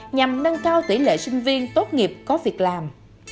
nhằm nâng cao tỷ lệ sinh viên tốt nghiệp có việc làm